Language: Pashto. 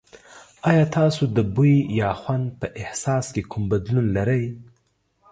ایا تاسو د بوی یا خوند په احساس کې کوم بدلون لرئ؟